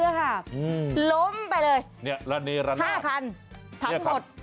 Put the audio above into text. อืมล้มไปเลยเนี่ยแล้วนี่ร้านหน้าห้าคันทั้งหมด